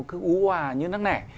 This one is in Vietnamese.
cứ úa như nắng nẻ